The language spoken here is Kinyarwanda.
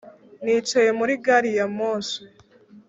Nicaye muri gari ya moshi